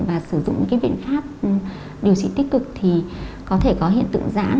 và sử dụng những biện pháp điều trị tích cực thì có thể có hiện tượng giãn